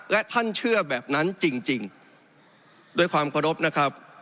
และท่านเชื่อแบบนั้นจริงด้วยความเคารพนะครับ